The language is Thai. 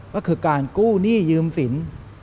ก็คือการกู้หนี้ยืมสิน